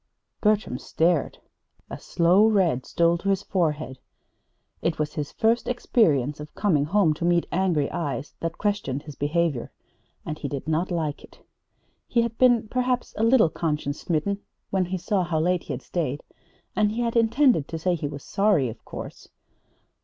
Bertram stared. A slow red stole to his forehead. It was his first experience of coming home to meet angry eyes that questioned his behavior and he did not like it. He had been, perhaps, a little conscience smitten when he saw how late he had stayed; and he had intended to say he was sorry, of course.